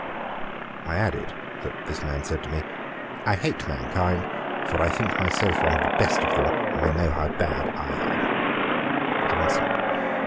I added, that this man said to me, 'I hate mankind, for I think myself one of the best of them, and I know how bad I am.' JOHNSON.